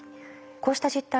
こうした実態